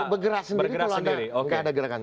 bergerak sendiri kalau anda nggak ada gerakan